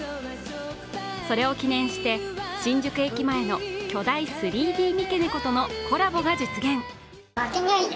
それを記念して、新宿駅前の巨大３Ｄ三毛猫とのコラボが実現。